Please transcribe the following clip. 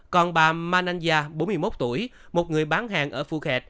còn bà mananya bốn mươi một tuổi một người bán hàng ở phu khe